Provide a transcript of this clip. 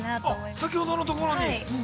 先ほどのところに？